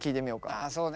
ああそうね。